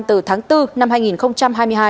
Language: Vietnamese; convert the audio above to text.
từ tháng bốn năm hai nghìn hai mươi hai